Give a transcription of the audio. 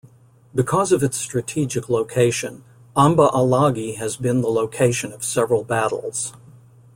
Because of its strategic location, Amba Alagi has been the location of several battles.